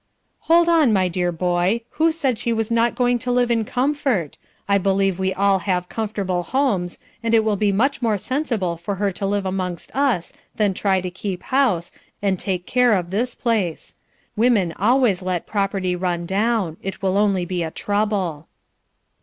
"Hold on, my dear boy! Who said she was not going to live in comfort? I believe we all have comfortable homes, and it will be much more sensible for her to live amongst us than try to keep house, and take care of this place. Women always let property run down; it will only be a trouble."